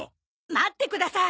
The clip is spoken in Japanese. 待ってください！